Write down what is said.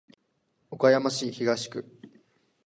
岡山市東区